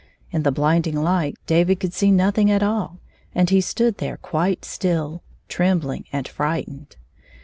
In the blinding light, David could see nothing at all, and he stood there quite still, trembling and frightened.